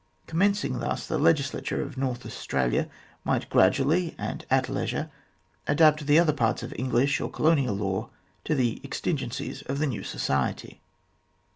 Commencing thus, the legislature of North Australia might gradually, and at leisure, adapt the other parts of English or Colonial law to the exigencies of the new society.